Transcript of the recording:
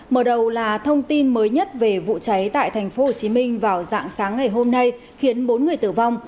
mở đầu là thông tin mới nhất về vụ cháy tại thành phố hồ chí minh vào dạng sáng ngày hôm nay khiến bốn người tử vong